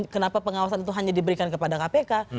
kenapa pengawasan itu hanya diberikan kepada kpk